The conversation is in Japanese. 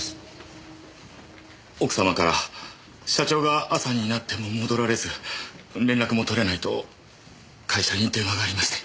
奥様から社長が朝になっても戻られず連絡も取れないと会社に電話がありまして。